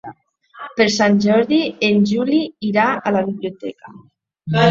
Per Sant Jordi en Juli irà a la biblioteca.